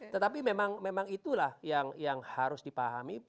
tetapi memang itulah yang harus dipahami